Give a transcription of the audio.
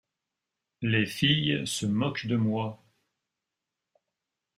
Les filles se moquent de moi.